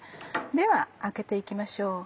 ではあけて行きましょう。